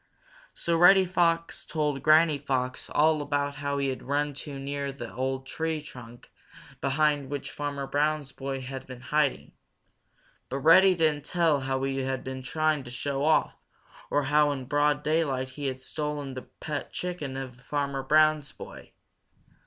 So Reddy Fox told Granny Fox all about how he had run too near the old tree trunk behind which Farmer Brown's boy had been hiding, but Reddy didn't tell how he had been trying to show off, or how in broad daylight he had stolen the pet chicken of Farmer Brown's boy.